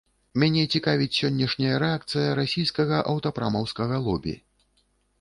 Мяне цікавіць сённяшняя рэакцыя расійскага аўтапрамаўскага лобі.